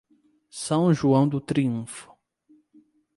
São João do Triunfo